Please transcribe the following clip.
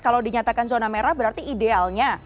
kalau dinyatakan zona merah berarti idealnya